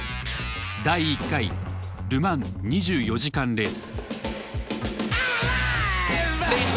第１回ル・マン２４時間レース。